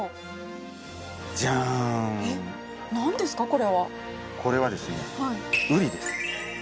これはですねウリです。